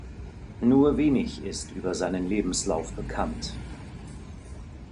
Nur wenig ist über seinen Lebenslauf bekannt.